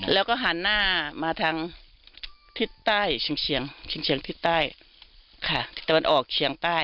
แล้วก็หันหน้ามาทางทิศใต้เชียงชิงเชียงทิศใต้ค่ะทิศตะวันออกเฉียงใต้